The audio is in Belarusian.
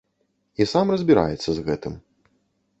І сам разбіраецца з гэтым.